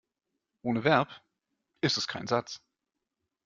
Ohne Verb ist es kein Satz.